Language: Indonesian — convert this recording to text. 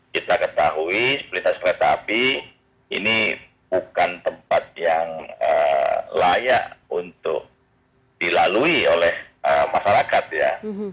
kita ketahui pelintas kereta api ini bukan tempat yang layak untuk dilalui oleh masyarakat ya